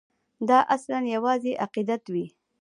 دا اصلاً یوازې عقیدت وي.